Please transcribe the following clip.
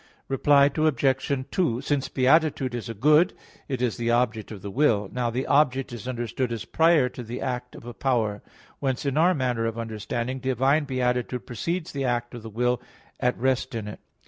Reply Obj. 2: Since beatitude is a good, it is the object of the will; now the object is understood as prior to the act of a power. Whence in our manner of understanding, divine beatitude precedes the act of the will at rest in it.